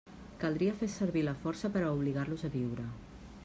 Caldria fer servir la força per a obligar-los a viure.